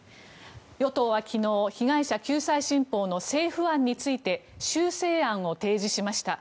与党は昨日被害者救済新法の政府案について修正案を提示しました。